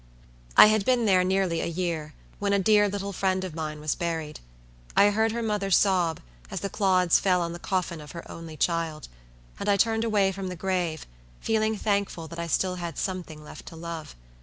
I had been there nearly a year, when a dear little friend of mine was buried. I heard her mother sob, as the clods fell on the coffin of her only child, and I turned away from the grave, feeling thankful that I still had something left to love.